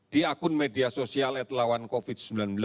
di akun media sosial at lawan covid sembilan belas